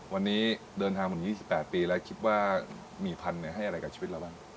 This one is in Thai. วันนี้เดินทางมาถึง๒๘ปีแล้วคิดว่ามีพันธุ์ให้อะไรกับชีวิตเราบ้าง